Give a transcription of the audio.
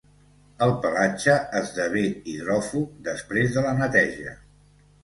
El pelatge esdevé hidròfug després de la neteja.